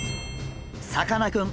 さかなクン